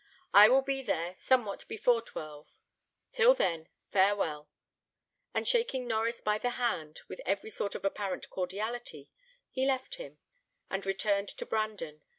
"I will be there somewhat before twelve; till then, farewell." And shaking Norries by the hand with every sort of apparent cordiality, he left him, and returned to Brandon.